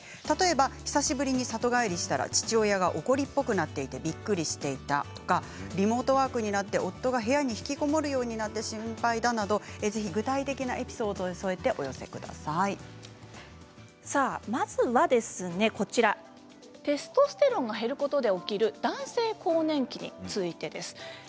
例えば、久しぶりに里帰りした父親が怒りっぽくなっていてびっくりしていたとかリモートワークになって夫が部屋に引きこもるようになって心配だなど具体的なエピソードを添えてまずはテストステロンが減ることで起きる男性更年期についてです。